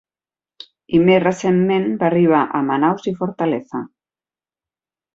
I més recentment va arriba a Manaus i Fortaleza.